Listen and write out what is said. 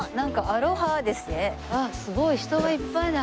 あっすごい人がいっぱいだ。